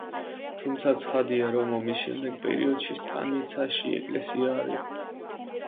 თუმცა ცხადია, რომ ომის შემდეგ პერიოდში სტანიცაში ეკლესია არ იყო.